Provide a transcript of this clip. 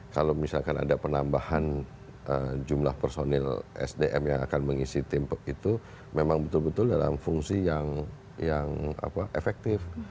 kalau misalkan ada penambahan jumlah personil sdm yang akan mengisi tim itu memang betul betul dalam fungsi yang efektif